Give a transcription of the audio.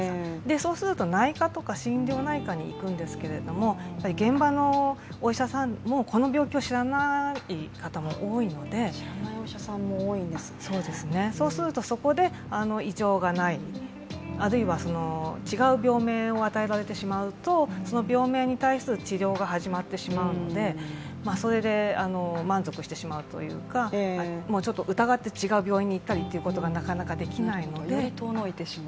そうすると内科とか心療内科に行くんですけれども、現場のお医者さんもこの病気を知らない方も多いので、そうするとそこで、異常がない、あるいは違う病名を与えられてしまうとその病名に対する治療が始まってしまうのでそれで満足してしまうというかちょっと疑って違う病院に行ったりというのがなかなかできないので。